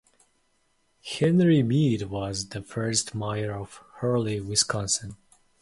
Henry Meade was the first mayor of Hurley, Wisconsin.